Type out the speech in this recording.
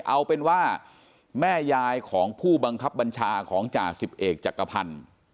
เอาเป็นว่าแม่ยายของผู้บังคับบัญชาของจ่าสิบเอกจักรพันธ์